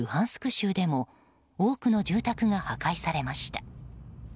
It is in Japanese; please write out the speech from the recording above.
州でも多くの住宅が破壊されました。